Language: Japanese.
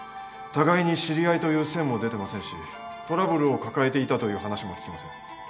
互いに知り合いという線も出てませんしトラブルを抱えていたという話も聞きません。